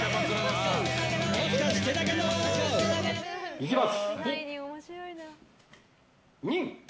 いきます。